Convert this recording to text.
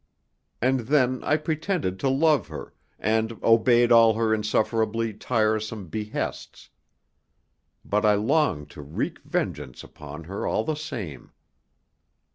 And then I pretended to love her, and obeyed all her insufferably tiresome behests. But I longed to wreak vengeance upon her all the same.